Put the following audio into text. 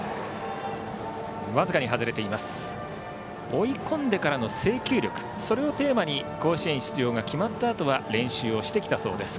追い込んでからの制球力それをテーマに甲子園出場が決まったあとは練習をしてきたそうです